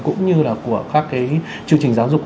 cũng như là của các cái chương trình giáo dục